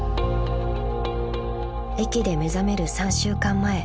［駅で目覚める３週間前］